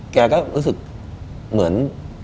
แกก็รู้สึกเหมือน